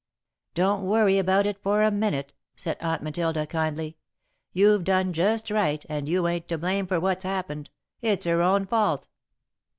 "Don't worry about it for a minute," said Aunt Matilda, kindly. "You've done just right and you ain't to blame for what's happened. It's her own fault."